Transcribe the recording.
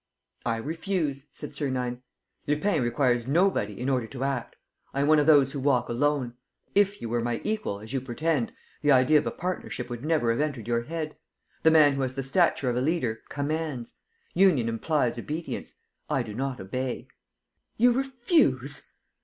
"I refuse," said Sernine. "Lupin requires nobody, in order to act. I am one of those who walk alone. If you were my equal, as you pretend, the idea of a partnership would never have entered your head. The man who has the stature of a leader commands. Union implies obedience. I do not obey." "You refuse?